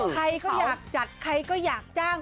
ใครก็อยากจัดใครก็อยากจ้าง